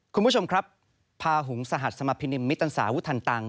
คุณผู้ชมครับพาหุงสหัสสมพินิมมิตรสาวุทันตังค